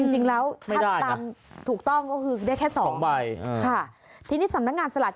ชุดนี้ก็ยี่สิบใบอน่ะนะ